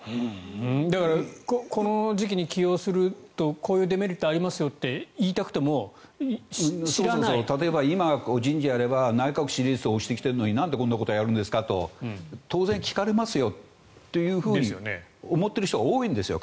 この時期に起用するとこういうデメリットがありますよって例えば今、人事をやれば内閣支持率が落ちてきてるのになんでこんなことやるんですかって当然、聞かれますよというふうに思っている方が多いんですよ